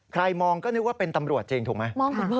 มองก็นึกว่าเป็นตำรวจจริงถูกไหม